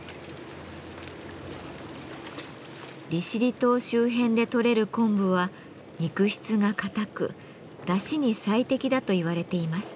利尻島周辺で取れる昆布は肉質がかたくだしに最適だと言われています。